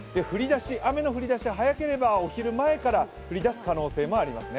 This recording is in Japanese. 雨の降り出しは早ければお昼前から降りだす可能性もありますね。